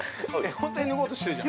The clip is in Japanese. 本当に脱ごうとしてるじゃん。